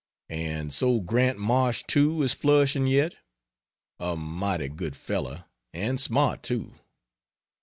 And so Grant Marsh, too, is flourishing yet? A mighty good fellow, and smart too.